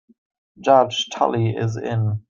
Judge Tully is in.